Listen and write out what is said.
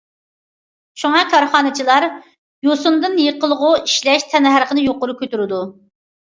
شۇڭا، كارخانىچىلار يۈسۈندىن يېقىلغۇ ئىشلەش تەننەرخىنى يۇقىرى كۆرىدۇ.